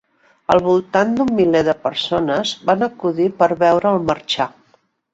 Al voltant d'un miler de persones van acudir per veure'l marxar.